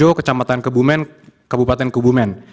tps yang kedua adalah tps enam